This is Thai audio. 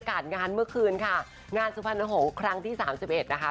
งานเมื่อคืนค่ะงานสุพรรณหงษ์ครั้งที่สามสิบเอ็ดนะคะ